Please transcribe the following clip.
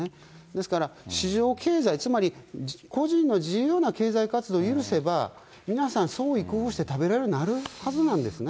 ですから、市場経済、つまり個人の自由な経済活動を許せば、皆さん、創意工夫して食べられるようになるはずなんですね。